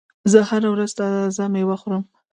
زه هره ورځ تازه میوه خورم.